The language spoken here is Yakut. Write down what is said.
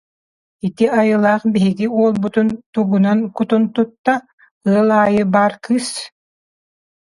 Ити айылаах биһиги уолбутун тугунан кутун тутта, ыал аайы баар кыыс